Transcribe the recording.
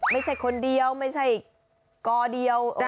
ไม่ใช่คนเดียวไม่ใช่กอเดียว